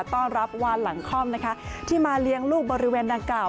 ต้อนรับวานหลังคล่อมนะคะที่มาเลี้ยงลูกบริเวณดังกล่าว